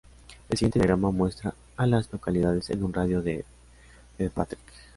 El siguiente diagrama muestra a las localidades en un radio de de Patrick.